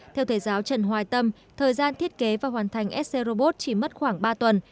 theo thầy giáo trần hoài tâm thời gian thiết kế và hoàn thành sc robot chỉ mất khoảng ba tuần